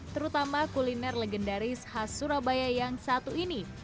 terutama kuliner legendaris khas surabaya yang satu ini